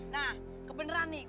nah kebeneran nih